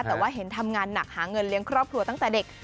แต่ว่าเห็นทำงานหนักหาเงินเลี้ยงครอบครัวตั้งแต่เด็ก